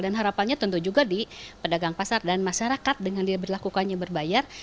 dan harapannya tentu juga di pedagang pasar dan masyarakat dengan berlakukannya berbayar